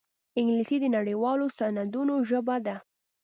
انګلیسي د نړيوالو سندونو ژبه ده